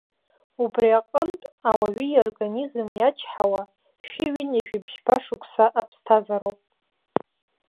Убри аҟынтә ауаҩы иорганизм иачҳауа шәи ҩынҩажәи бжьба шықәса аԥсҭазароуп.